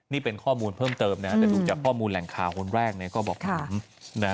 นี่เป็นข้อมูลเพิ่มเติมนะแต่ดูจากข้อมูลแหล่งข่าวคนแรกเนี่ยก็บอกถามนะ